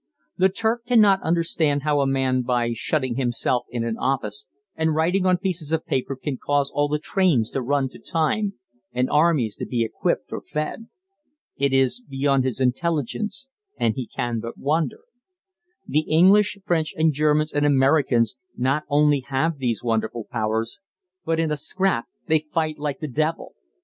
The Turk cannot understand how a man by shutting himself in an office and writing on pieces of paper can cause all the trains to run to time and armies to be equipped or fed. It is beyond his intelligence, and he can but wonder. The English, French, Germans, and Americans not only have these wonderful powers, but in a scrap they fight like the devil.